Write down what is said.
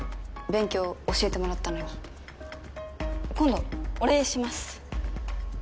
勉強教えてもらったのに今度お礼します